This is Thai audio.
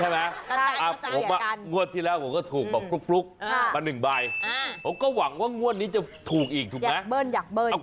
งวดที่แล้วคุณถูกแล้วอ่ะก็ให้คุณถูกบ้าง